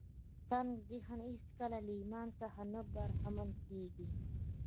تنګ ذهن هېڅکله له ايمان څخه نه برخمن کېږي.